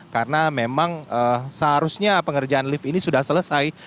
karena memang seharusnya pengerjaan lift ini sudah selesai